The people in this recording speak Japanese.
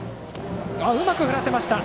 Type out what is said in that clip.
うまく振らせました。